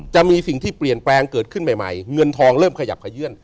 จะมีสิ่งที่เปลี่ยนแปลงเกิดขึ้นใหม่เงินทองเริ่มขยับขยื่น